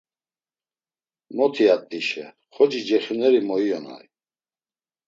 Motiyat̆işe xoci cexuneri goliyonay!